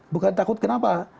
bukan takut kenapa